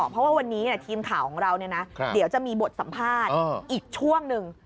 เพราะว่าวันนี้ทีมข่าวของเราเดี๋ยวจะมีบทสัมภาษณ์อีกช่วงหนึ่ง